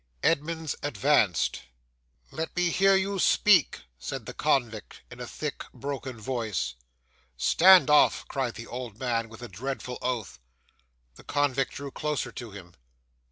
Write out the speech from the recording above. Edmunds advanced. '"Let me hear you speak," said the convict, in a thick, broken voice. '"Stand off!" cried the old man, with a dreadful oath. The convict drew closer to him.